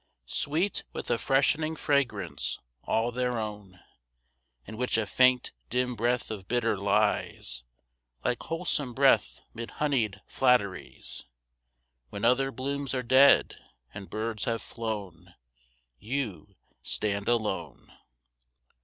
Sweet with a freshening fragrance, all their own, In which a faint, dim breath of bitter lies, Like wholesome breath mid honeyed flatteries; When other blooms are dead, and birds have flown, You stand alone.